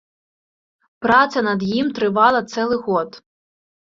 Праца над ім трывала цэлы год.